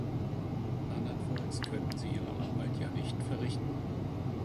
Andernfalls könnten sie ihre Arbeit ja nicht verrichten.